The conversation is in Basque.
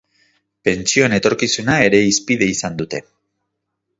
Pentsioen etorkizuna ere hizpide izan dute.